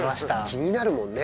気になるもんね。